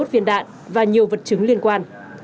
hai mươi viên đạn và nhiều vật chứng liên quan